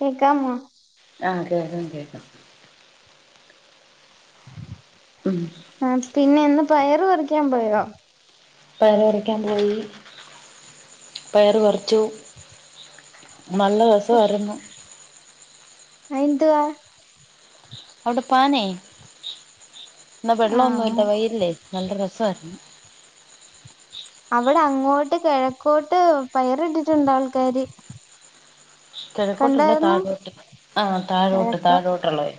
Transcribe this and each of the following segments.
കേക്കാമോ ആഹ് കേൾക്കാം കേൾക്കാം ഉം ആഹ് പിന്നെ ഇന്ന് പയറ് പറിക്കാൻ പോയോ? പയർ പറിക്കാൻ പോയി പയർ പറിച്ചു നല്ല രസമായിരുന്നു. ആയെന്തുവാ? അവിടെ പാനേ ഇന്ന് ആഹ് വെള്ളൊന്നുംല്ല വൈയലില്ലേ നല്ല രസായിരുന്നു. അവിടെ അങ്ങോട്ട് കിഴക്കോട്ട് പയറി ഇട്ടിട്ടുണ്ട് ആൾക്കാര്. കിഴക്കൊട്ടല്ല കണ്ടായിരുന്നോ താഴോട്ട് ആഹ് താഴോട്ട് കിഴക്കോ താഴോട്ടുള്ള വയൽ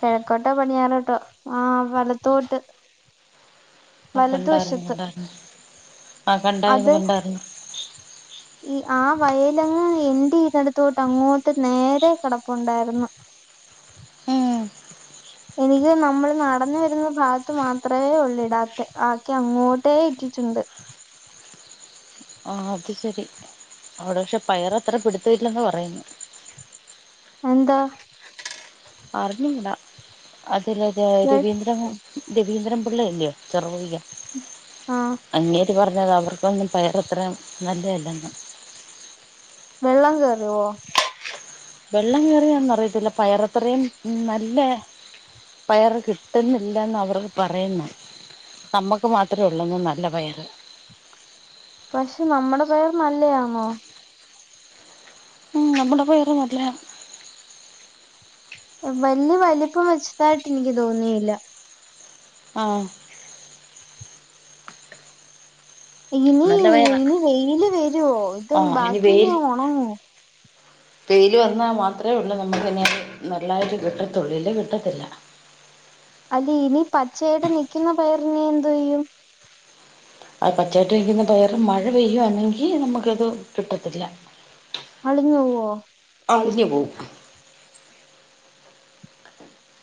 കിഴക്കോട്ടോ പടിഞാറോട്ടോ ആഹ് വലത്തോട്ട് ആഹ് കണ്ടായിരുന്നു വലതുവശത്ത് കണ്ടായിരുന്നു ആഹ് കണ്ടായിരുന്നു അത് കണ്ടായിരുന്നു ഈ ആഹ് വയലങ്ങ് എന്റ്ചെയ്‌തടുതൊട്ട് അങ്ങോട്ട് നേരെ കിടപ്പുണ്ടായിരുന്നു. ഉം എനിക്ക് നമ്മൾ നടന്ന വരുന്ന ഭാഗത്ത് മാത്രമേ ഉള്ളൂ ഇടാത്ത ബാക്കി അങ്ങോട്ടേ ഇട്ടിട്ടുണ്ട് ആഹ് അത് ശരി അവിടെ പക്ഷെ പയർ അത്ര പിടുത്തല്ലെന്ന് പറയുന്നു. എന്ത അറിഞ്ഞു കൂടാ അതല്ല വെ രവീന്ദ്ര രവീന്ദ്രൻ പിള്ളയല്ലയോ ചെറുറിക ആ അങ്ങേര് പറഞ്ഞത് അവർക്കൊന്നും പയർ അത്രയും നല്ലതല്ലെന്ന്. വെള്ളം കയറുവോ? വെള്ളം കയറിയണെന്ന് അറിയത്തില്ല പയറത്രയും ഉം നല്ല പയർ കിട്ടുന്നില്ലെന്ന അവർ പറയുന്നു നമ്മുക്ക് മാത്രമേ ഉള്ളൂന്ന് നല്ല പയറ് പക്ഷെ നമ്മുടെ പയർ നല്ലതണോ? ഉം നമ്മുടെപ്പോയറ നല്ല വലിയ വലിപ്പം വെച്ചതായിട്ട് എനിക്ക് തോന്നിയില്ല ആഹ് ഇനി നല്ല പയറാ ഇനി വെയില് വരുവോ ഇതൊ ആഹ് ഇനി ബാക്കിനി വെയിൽ ഓണങ്ങോ വെയില് വന്നാ മാത്രള്ളൂ നമുക്കതിനെ നല്ലായിട്ട് കിട്ടത്തുള്ളൂ ഇല്ലേ കിട്ടത്തില്ല അല്ല ഇനി പച്ചയിട്ട് നിക്കുന്ന പയറിനെ എന്തേയ്യും ആഹ് പച്ചായിട്ടിരിക്കുന്ന പയറ് മഴ പെയ്യുവാണെങ്കിൽ നമുക്കത് കിട്ടത്തില്ല. അളിഞ്ഞവോ അളിഞ്ഞ് പോവും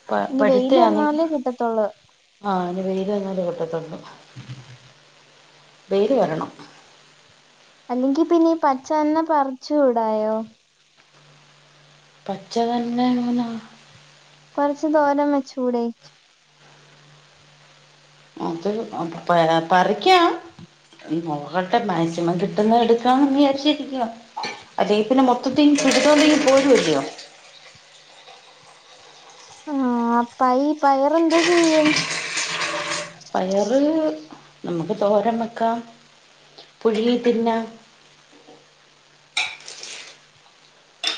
പ ഇനി വെയില് പഠിത്തയാണെ വന്നാലേ കിട്ടത്തുള്ളൂ ആഹ് അയിന് വേര് വന്നാലെ പൊട്ടത്തള്ളൂ വേര് വരണം അല്ലെങ്കി പിന്നെ പച്ചന്നെ പറിച്ചുടായോ പച്ചതന്നങ്ങനാ കൊറച് തോരം വെച്ചൂടെ അത് ആഹ് പറിക്കാ നോക്കട്ടെ മാക്സിമം കിട്ടുന്ന എടുക്കാണ് വിചാരിച്ചിരികയാ. അതെ പിന്നെ മൊത്തത്തിൽ പിടതോണ്ടെങ്കിൽ പോരുല്ലയോ ആഹ് പയി പയർ എന്തോ ചെയ്യും പയറ് നമുക്ക് തോരം വെക്കാം പുഴുങ്ങി തിന്നാം.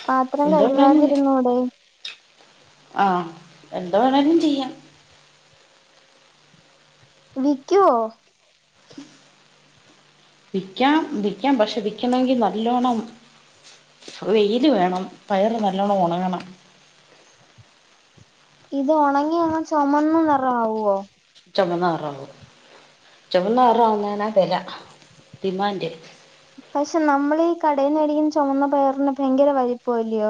പാത്രം എന്തോ വേണേലും കഴവാതിരുന്നൂടെ ആഹ് എന്താ വേണാലും ചെയ്യാം വിക്കുവോ? വിക്കാം വിക്കാം പക്ഷെ വിക്കണങ്കിൽ നല്ലോണം വെയില് വേണം പയറ് നല്ലോണം ഉണങ്ങണം ഇത് ഉണങ്ങി അങ്ങ് ചൊമന്ന നിറാവോ ചുമന്ന നിറാവും ചുമന്നറാവുന്നഞ്ഞാൽ വില ടിമാൻ് പക്ഷെ നമ്മളി കടയിന്ന്ടിക്കുന്ന ചൊമന്ന പയറിന് ഭയങ്കര വലിപ്പല്ലയോ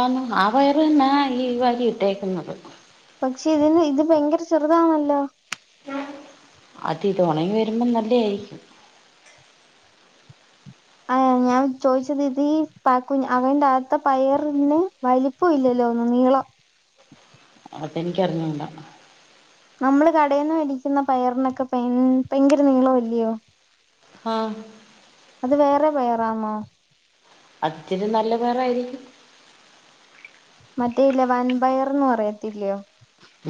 ആന്ന് ആഹ് പയർ തന്നാ ഈ വരി ഇട്ടേക്കുന്നത് പക്ഷെ ഇതിന് ഇത് ഭയങ്കര ചെറുതാണല്ലോ അത് ഇത് ഉണങ്ങി വരുമ്പോം നല്ലയിരിക്കും അ ഞാൻ ചോദിച്ചത് ഇത് പ കു അന്റെ [unintelligible] പയറിന് വലിപ്പം ഇല്ലല്ലോന്ന് നീളം അതെനിക്കറിഞ്ഞൂടാ നമ്മള് കടയിന്ന് മേടിക്കുന്ന പയറിനൊക്കെ പയ ഭയങ്കര നീളം അല്ലിയോ ആഹ് അത് വേറെ പയറാണോ അതിച്ചിരി നല്ല പയറായിരിക്കും. മറ്റേ ഇല്ലെ വൻ പയർന്ന് പറയത്തില്ലയോ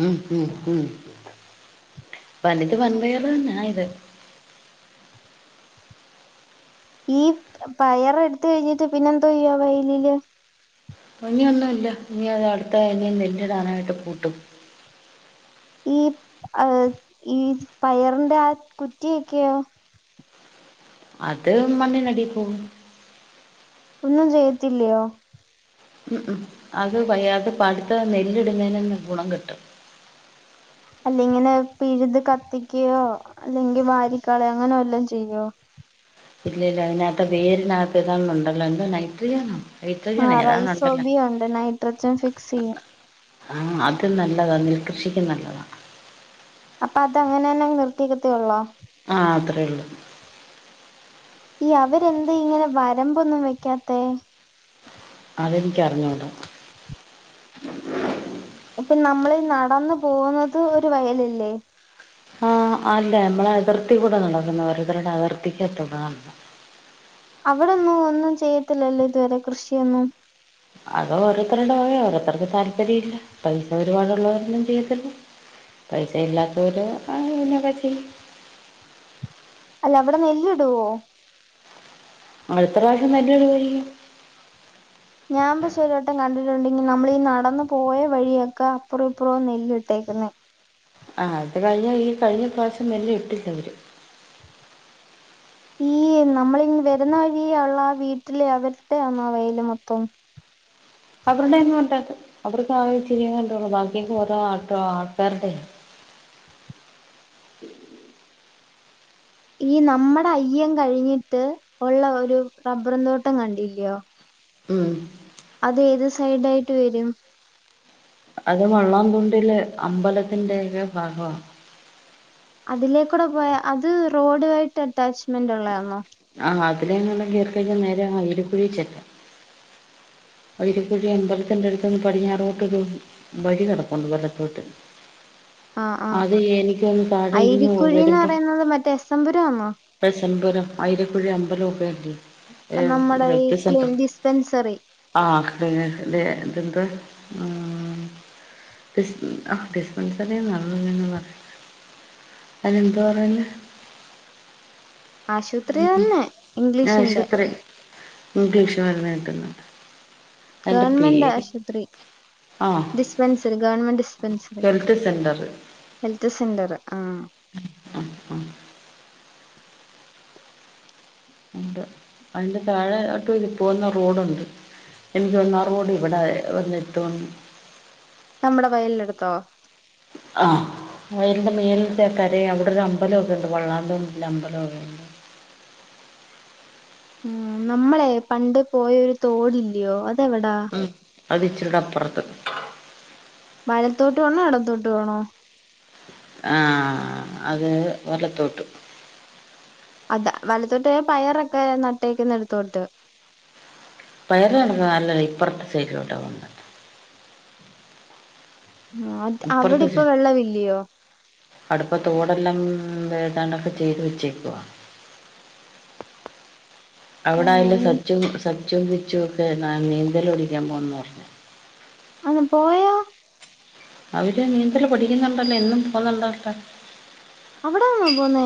ഉം ഉം ഉം വലത് വൻപയറ് തന്നെയാ ഇത് ഈ പയർ എടുത്ത് കഴിഞ്ഞിട്ട് പിന്നെ എന്തോ ചെയ്യും [unintelligible] ഇനിയൊന്നുംല്ല ഇനി അത് അടുത്ത ഇനി നെല്ലിടാനായിട്ട് പൂട്ടും ഈ ആ ഈ പയറിന്റെ ആ കുറ്റിയൊക്കെയോ അത് മണ്ണിനടി പോവും ഒന്നും ചെയ്യത്തില്ലയോ ഉം ഉം അത് വയ്യ അത് പാടത്തെ നെല്ലിടുന്നതിന് ഗുണം കിട്ടും അല്ല ഇങ്ങനെ പിഴുത് കത്തിക്കയോ അല്ലെങ്കിൽ വാരിക്കളയോ അങ്ങനെ വല്ലോം ചെയ്യോ ഇല്ലല്ല അതിനാത്ത് വേരിനാത്ത് ഏതാണ്ട് ഉണ്ടല്ലോ എന്തോ നൈട്രിജനോ ആഹ് റൈസോബിയ ഉണ്ട് നൈട്രജൻ ഫിക്സെയ്യും ആഹ് അത് നല്ലതാ നെൽകൃഷിക്ക് നല്ലതാ അപ്പൊ അത് അങ്ങനെ തന്നെ നിർത്തിക്കത്തേ ഉള്ളോ ആഹ് അത്രേ ഉള്ളു ഈ അവരെന്ത ഇങ്ങനെ വരമ്പൊന്നും വെക്കാത്തെ അതെനിക്കറിഞ്ഞൂട ഇപ്പൊ നമ്മളി നടന്നു പോന്നത് ഒരു വയലല്ലേ ആ അല്ല നമ്മള അതിർത്തി കൂടെ നടക്കുന്ന ഓരോത്തരുടെ അതിർത്തിക്കാത്തൂടാ അവിടൊന്നും ഒന്നും ചെയ്യത്തില്ലല്ലോ ഇതുവരെ കൃഷിയൊന്നും അത് ഓരോരുത്തരുടെ ഓരോ ഓരോരുത്തർക്ക് താല്പര്യം ഇല്ല പൈസ ഒരുപാടുള്ളവരൊന്നും ചെയ്യത്തില്ല പൈസ ഇല്ലാത്തവര് [unintelligible] അല്ല അവിടെ നെല്ല് ഇടുവോ ആ ഇപ്രാവശ്യം [unintelligible] ഞാൻ പക്ഷേ ഒരുവട്ടം കണ്ടിട്ടുണ്ട് നമ്മളീ നടന്നു പോയ വഴിയൊക്കെ അപ്പുറവും ഇപ്പുറവും നെല്ല് ഇട്ടേക്കുന്നേ ആ അത് കഴിഞ്ഞ ഈ കഴിഞ്ഞ പ്രാവശ്യം നെല്ല് ഇട്ടില്ല അവര് ഈ നമ്മള് വരുന്നാഴിയ ഉള്ള ആ വീട്ടിലെ അവരുടെ ആന്നോ ആ വയല് മൊത്തം അവരുടെയൊന്നും അല്ലത് അവർക്ക് ആകെ ഇച്ചിരിയെങ്ങാണ്ടെ ഉള്ളു ബാക്കി ഒക്കെ ഓരോ ആ ആൾക്കാരുടെയാ ഈ നമ്മുടെ അയ്യം കഴിഞ്ഞിട്ട് ഉള്ള ഒരു റബറും തോട്ടം കണ്ടില്ലയോ ഉം അത് ഏത് സൈഡായിട്ട് വരും അത് വള്ളതുണ്ടിലെ അമ്പലത്തിന്റെക്കെ ഭാഗവാ അതിലേക്കൂടെ പോയാ അത് റോഡുവായിട്ട് അറ്റാച്ച്മെന്റ് ഉള്ളയാന്നോ ആഹ് അതിലെ എങ്ങാണ്ട് കേറി കഴിഞ്ഞാ നേരെ ആയിര പുഴേ ചെല്ലാം വയ്രക്കുഴി അമ്പലത്തിന്റെ അടുത്ത്ന്ന് പടിഞ്ഞാറോട്ടൊരു വഴി കെടപ്പുണ്ട് വലത്തോട്ട് ആഹ് ആഹ് അത് എനിക്കൊന്ന് താഴെ ഇങ്ങ് അയ്രിക്കുഴിന്ന് പറയുന്നത് മറ്റേ എസംപുരം ആണോ എസംമ്പുരം ആയിരക്കുഴി അമ്പലൊക്കെ നമ്മുടെ ഈ ക്ലീൻ ഡിസ്പെൻസറി ആഹ് [unintelligible] എന്തുവാ ആഹ് ഡിസ്പൻസറി എന്നാണോ [unintelligible] അതെന്തുവാ പറഞ്ഞേ ആശുപത്രി തന്നെ ഇംഗ്ലീഷിന്റെ ആശൂത്രി ഇംഗ്ലീഷ് മരുന്ന് കിട്ട്ന്ന ഗവൺമെന്റ് ആശുപത്രി ആ dispensary government dispensary health centre health centre ആഹ് ആ ണ്ട് അതിൻ്റെ താഴൊട്ട് ഇതി പോകുന്ന റോഡുണ്ട് എനിക്ക് തോന്നന്ന് ആ റോഡ് ഇവിടെ വരെ വന്ന് എത്തുവന്ന് നമ്മടെ വയലിലെടുത്തോ ആഹ് വയലിന്റെ മേലത്തെക്കരെ അവിടെ ഒരു അമ്പലമൊക്കെ ഉണ്ട് വള്ളാതെ അമ്പലമൊ ഉം നമ്മളെ പണ്ട് പോയൊരു തോടില്യോ അതവിടാ ഉം അത് ഇച്ചിരിടെ അപ്പറത്ത് വലത്തോട്ട് വേണോ എടത്തോട്ട് വേണോ ആഹ് അത് വലത്തോട്ട് അത് വലത്തോട്ടോയ പയറൊക്കെ നട്ടേക്കുന്നടുത്തോട്ട് പയറ് നടന്നതല്ലടി ഇപ്പറത്തെ സൈഡിലോട്ടാ പോണ്ടെ ആഹ് അത് അവിടെ ഇപ്പ വെള്ളവില്ലയോ അടുപ്പ തോടെല്ലം വേതാണ്ടൊക്കെ ചെയ്ത് വെച്ചേക്കവാ [inaudible] അവിടായാല് ആണല്ലേ സച്ചു സച്ചും പിച്ചും ഒക്കെ ന നീന്തൽ പടിക്കാ പോണ്ന്ന് പറഞ്ഞു അവൻ പോയൊ അവര് നീന്തല് പഠിക്കുന്നുണ്ടല്ലോ എന്നും പോന്നുണ്ടല്ലോ അവിടാന്നോ പോന്നേ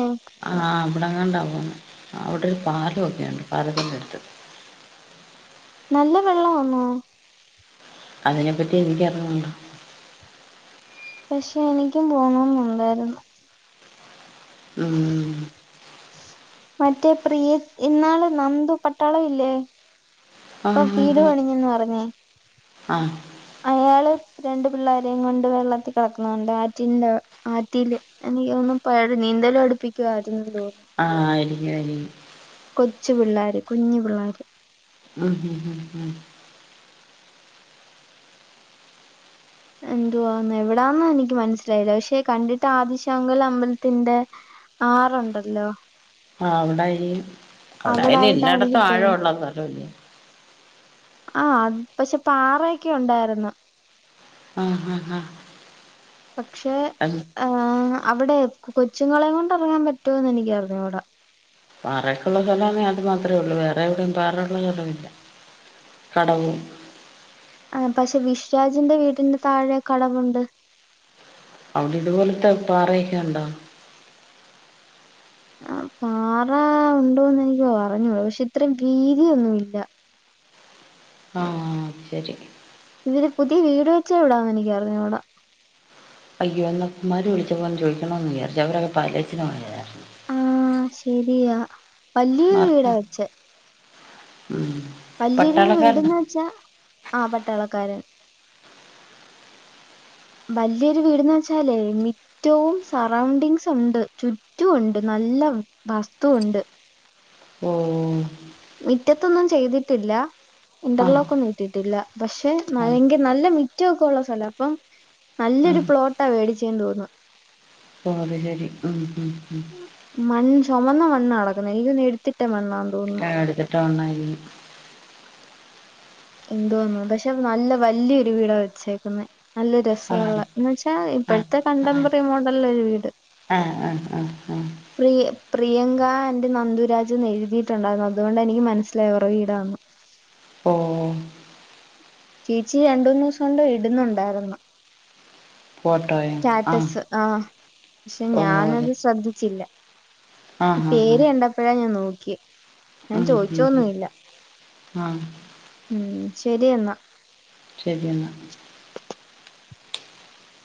ആഹ് അവിടെങ്ങാണ്ടാ പോന്നേ അവിടെ ഒരു പാലൊക്കെയുണ്ട് പാലത്തിൻ്റെ എടുത്ത് നല്ല വെള്ളവാന്നോ അതിനെപ്പറ്റി എനിക്കർഞ്ഞൂട പഷെ നിക്കും പോണെന്നുണ്ടായിര്ന്നു മ് മറ്റേ പ്രിയ് ഇന്നാള് നന്തു പട്ടാള ഇല്ലേ ഇപ്പൊ ആഹ് ഹ് വീട് ഹ് പണിഞ്ഞന്ന് പറഞ്ഞേ ആഹ് അയാള് രണ്ട് പിള്ളാരേം കൊണ്ട് വെള്ളത്തി കെടക്കുന്നുണ്ട് ആറ്റിന്റെ ആറ്റില് എനിക്കോന്നു പ നീന്തലട്പ്പിക്കായിരുന്നു തോന്നു ആഹ് എലിഞ്ഞു എലിഞ്ഞു കൊച്ചു പിള്ളാര് കുഞ്ഞു പിള്ളാര് ഉം ഉം ഉം ഉം ന്തുവാന്ന് എവിടാന്നെനിക്ക് മനസ്സിലായില്ല പഷെ കണ്ടിട്ട് ആദിഷാങ്കൽ അമ്പൽത്തിന്റെ ആറുണ്ടല്ലോ ആഹ് അവിടയിനി അവിടായിട്ടാ എനിക്ക് അവിടായിനില്ലായിടത്തും തോന്നു ആഴുള്ള സ്ഥലല്ലേ ആഹ് പഷെ പാറയൊക്കെ ഉണ്ടായ്രുന്നു ആഹ് ആഹ് ഹാ പക്ഷേ ഏഹ് അവിടെ കൊച്ചുങ്ങളേം കൊണ്ടറങ്ങാൻ പറ്റോന്നെനിക്കർഞ്ഞൂട പാറേക്കുള്ള സ്ഥലാണേ അത് മാത്രേള്ളൂ വേറെ വിടെയും പാറള്ള സ്ഥലം ഇല്ല കടവ് ആഹ് പഷെ വിഷ്രാജിന്റെ വീടിന്റെ താഴെ കടവുണ്ട് അവിടെത്പോലത്തെ പാറ്യോക്കെണ്ടോ ആഹ് പാറാ ഉണ്ടോന്നെ നിക്കറ്ഞ്ഞൂട പഷെ ഇത്രേം വീതിയൊന്നുല്ല ആഹ് ശരി ഇവര് പുതിയ വീട് വെച്ചവിടാന്നെനിക്കർഞ്ഞൂട അയ്യോന്ന മ്മാര് വിളിച്ചപ്പോന്ന് ചോയ്ക്കണോന്ന് വിയാര്ച് അവരൊ പാലിയേറ്റിവ് വന്നതാ ആഹ് ശരിയാ വല്യൊരു വീടാ മർമം ഉം വല്യോരു പട്ടാളക്കാരനാ വീട്ന്ന് വെച്ചാ ആ പട്ടാളക്കാരൻ വല്യോരു വീട്ന്ന് വെച്ചാലേ മി റ്റവും സറൗണ്ടിങ്സ് ഉണ്ട് ചുറ്റു ഉണ്ട് നല്ല വസ്തുണ്ട് ഉം മിറ്റത്തൊന്നും ചെയ്ത്ട്ടില്ല ആഹ് ഇന്റർലോക്കൊന്നുട്ട്ട്ടില്ല പഷെ ആഹ് ഭയങ്ക നല്ല മിറ്റവൊക്കെള്ള സ്ഥലം അപ്പം നല്ലൊരു ഉം പ്ലോട്ടാ മേടിച്ചെന്ന് തോൻന്ന് ഓ അത് ശെരി ഉം ഉം ഉം മൺ ചൊമന്ന മണ്ണാ കെടക്ക്ന്നെ ഇയ്ന്നെട്ത്തിട്ട മണ്ണാന്ന് തോൻന്ന് ആഹ് എട്ത്തിട്ട മണ്ണാരിക്കും എന്ത്വന്നോ പഷെ അത് നല്ല വല്യൊര് വീടാ വെച്ചേക്ക്ന്നെ നല്ല രസവൊള്ള ആഹ് ന്ന് വെച്ചാ ആഹ് പ്പഴ്‌ത്തെ ആഹ് കണ്ടംമ്പറി മോഡല്ലൊര് വീട് ആഹ് ആഹ് ആഹ് ആഹ് പ്രിയ് പ്രിയങ്ക ആന്റ് നന്ദുരാജ്ന്നെഴുതിയിട്ടുണ്ടായിരുന്നു അതുകൊണ്ടെനിക്ക് മനസ്സിലായെ അവറെ വീടാന്ന് ഓഹ് ചേച്ചി രണ്ടൂന്നോസോണ്ട് ഇടുന്നുണ്ടായിരുന്നു സ്റ്റാറ്റസ് ആഹ് ഷെ ഓ അതെ ഞാനത് ശ്രദ്ധിച്ചില്ല ആഹ് പേര് കണ്ടപ്പഴാ ഞാൻ നോക്യെ ആഹ് ആഹ് ആഹ് ആഹ് ഉം ശെരിയെന്നാ ശെരിയെന്നാ